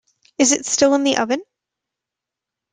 Is it still in the oven?